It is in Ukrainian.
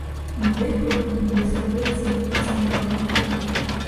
Ні вихор, ні блискавиці не зламали його.